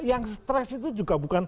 yang stres itu juga bukan